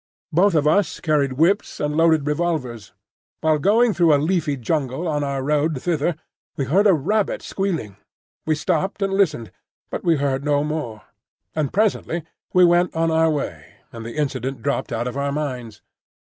Both of us carried whips and loaded revolvers. While going through a leafy jungle on our road thither, we heard a rabbit squealing. We stopped and listened, but we heard no more; and presently we went on our way, and the incident dropped out of our minds.